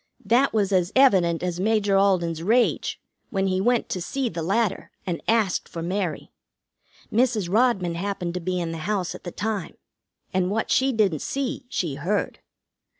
That was as evident as Major Alden's rage when he went to see the latter, and asked for Mary. Mrs. Rodman happened to be in the house at the time, and what she didn't see she heard.